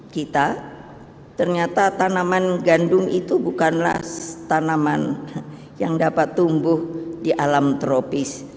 kita ternyata tanaman gandum itu bukanlah tanaman yang dapat tumbuh di alam tropis